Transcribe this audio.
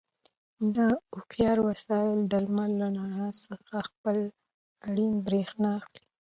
دا هوښیار وسایل د لمر له رڼا څخه خپله اړینه برېښنا اخلي.